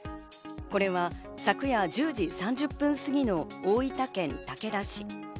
これは昨夜１０時３０分過ぎの大分県竹田市。